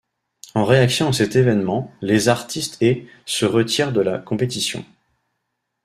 En réaction à cet événement, les artistes et se retirent de la compétition.